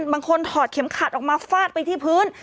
ถอดเข็มขัดออกมาฟาดไปที่พื้น